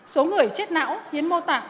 số người chết não hiến mô tạng